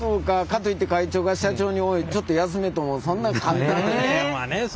かといって会長が社長に「おいちょっと休め」ともそんな簡単にね。